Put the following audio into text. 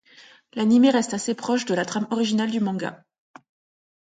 L’anime reste assez proche de la trame originale du manga.